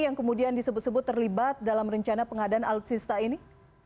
yang kemudian disebut sebut terlibat dalam rencana pengadaan alutsista ini